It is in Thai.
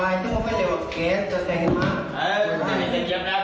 แฮนลูกสาวแสงมาก